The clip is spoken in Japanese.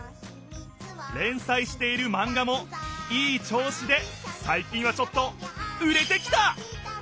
れんさいしているマンガもいいちょうしでさい近はちょっと売れてきた！